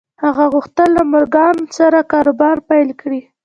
هغه غوښتل له مورګان سره کاروبار پیل کړي